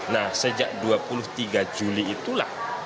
nah sejak dua puluh tiga juli itulah